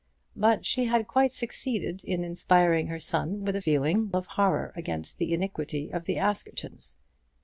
But she had quite succeeded in inspiring her son with a feeling of horror against the iniquity of the Askertons.